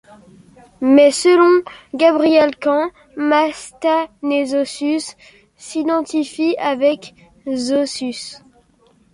Mais, selon Gabriel Camps, Mastanesosus s'identifie avec Sosus.